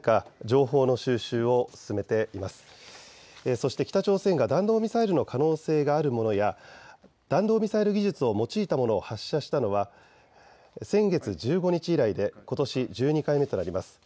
そして北朝鮮が弾道ミサイルの可能性があるものや弾道ミサイル技術を用いたものを発射したのは先月１５日以来でことし１２回目となります。